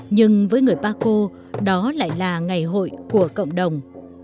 nhưng với người baco đó lại là ngày hội của cộng đồng